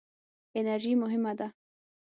انرژي مهمه ده.